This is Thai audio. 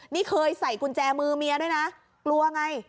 นี่เคยใส่กุญแจมือเมียด้วยนะกลัวไง